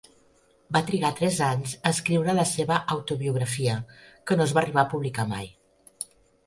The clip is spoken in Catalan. Va trigar tres anys a escriure la seva autobiografia, que no es va arribar a publicar mai.